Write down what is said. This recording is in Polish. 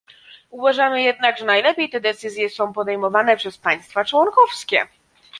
Uważamy jednak, że najlepiej te decyzje są podejmowane przez państwa członkowskie